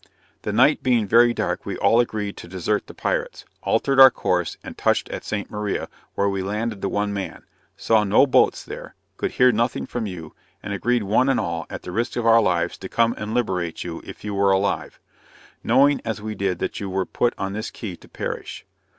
The night being very dark we all agreed to desert the pirates altered our course and touched at St. Maria, where we landed the one man saw no boats there, could hear nothing from you, and agreed one and all at the risk of our lives to come and liberate you if you were alive; knowing, as we did, that you were put on this Key to perish.